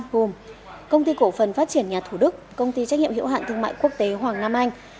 gồm công ty cổ phần phát triển nhà thủ đức công ty trách nhiệm hiệu hạn thương mại quốc tế hoàng nam anh